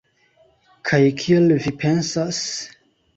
Kaj kiel vi pensas?